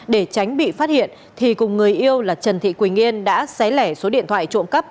để tránh bị phát hiện thì cùng người yêu là trần thị quỳnh yên đã xé lẻ số điện thoại trộm cắp